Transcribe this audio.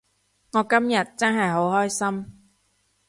我今日真係好開心